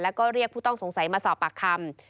แล้วก็เรียกผู้ต้องสงสัยมาสอบปากคำ